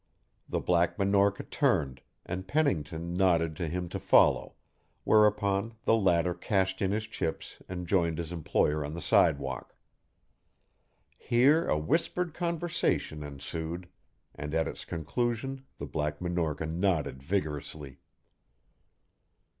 The Black Minorca turned, and Pennington nodded to him to follow; whereupon the latter cashed in his chips and joined his employer on the sidewalk. Here a whispered conversation ensued, and at its conclusion the Black Minorca nodded vigorously.